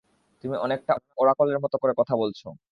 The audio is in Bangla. তুমি অনেকটা ওরাকলের মতো করে কথা বলছ।